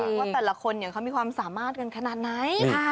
ว่าแต่ละคนเขามีความสามารถกันขนาดไหน